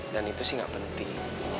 dan itu sih gak penting